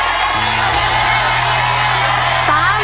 ๓ขีดนะครับ